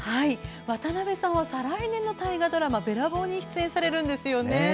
渡辺さんは再来年の大河ドラマ「べらぼう」に出演されるんですよね。